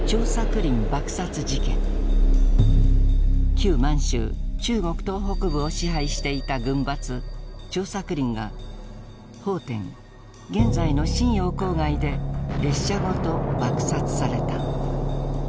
旧満州中国東北部を支配していた軍閥・張作霖が奉天現在の瀋陽郊外で列車ごと爆殺された。